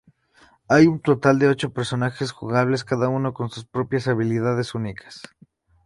Hay un total de ocho personajes jugables, cada uno con sus propias habilidades únicas.